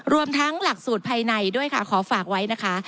รวมทั้งหลักสูตรภายในด้วยค่ะขอฝากไว้นะคะ